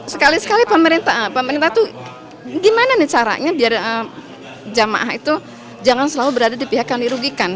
sekali sekali pemerintah tuh gimana nih caranya biar jamaah itu jangan selalu berada di pihak yang dirugikan